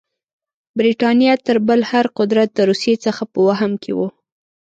برټانیه تر بل هر قدرت د روسیې څخه په وهم کې وه.